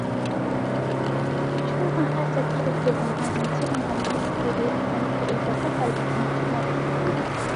Chuma hata kiwe cha zamani sio na boriti uiweke mpya itakufa lakini chuma kipo